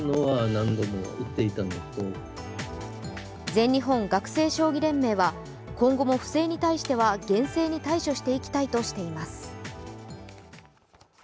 全日本学生将棋連盟は今後も不正に対しては厳正に対処していきたいとしています。